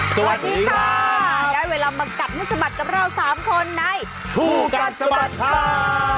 สวัสดีค่ะได้เวลามากัดให้สะบัดกับเรา๓คนในคู่กัดสะบัดข่าว